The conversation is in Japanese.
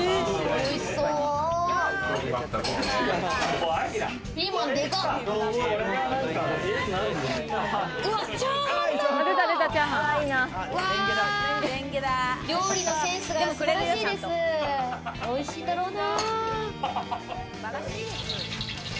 おいしいんだろうな！